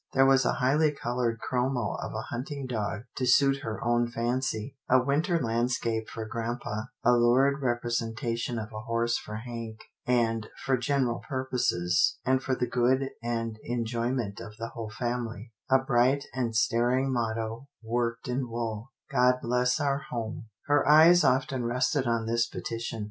There was a highly col oured chromo of a hunting dog to suit her own fancy, a winter landscape for grampa, a lurid rep resentation of a horse for Hank, and, for general purposes, and for the good and enjoyment of the whole family, a bright and staring motto worked in wool —" God Bless Our Home." Her eyes often rested on this petition.